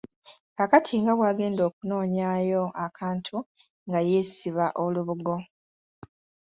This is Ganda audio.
Kaakati nga bw’agenda okunoonyaayo akantu nga ye yeesiba olubugo.